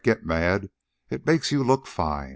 Get mad. It makes you look fine."